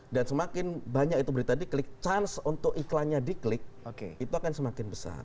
dan semakin banyak itu berita diklik chance untuk iklannya diklik itu akan semakin besar